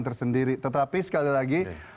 tersendiri tetapi sekali lagi